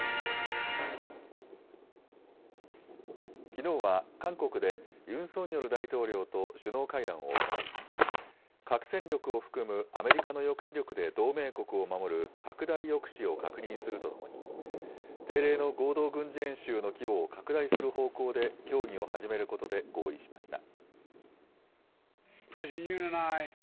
きのうは韓国で、ユン・ソンニョル大統領と首脳会談を行い、核戦力を含むアメリカの抑止力で同盟国を守る拡大抑止を確認するとともに、定例の合同軍事演習の規模を拡大する方向で協議を始めることで合意しました。